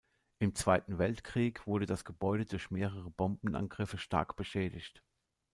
Im Zweiten Weltkrieg wurde das Gebäude durch mehrere Bombenangriffe stark beschädigt.